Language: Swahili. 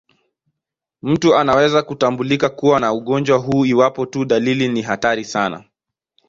Mtu anaweza kutambulika kuwa na ugonjwa huu iwapo tu dalili ni hatari sana.